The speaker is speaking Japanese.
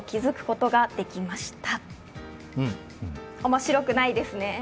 面白くないですね？